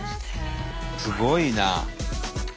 すごいな。